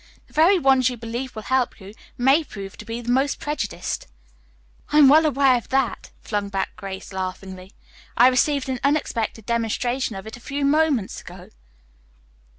The very ones you believe will help you may prove to be the most prejudiced." "I am well aware of that fact," flung back Grace laughingly. "I received an unexpected demonstration of it a few moments ago."